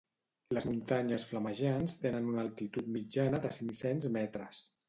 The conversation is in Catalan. Les muntanyes Flamejants tenen una altitud mitjana de cinc-cents metres.